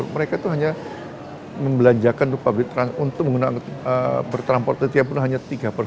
mereka itu hanya membelanjakan untuk transportasi tiap bulan hanya tiga